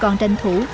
còn tranh thủ